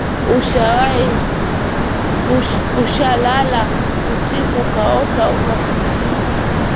Ushalala usiku ukaota umekufa?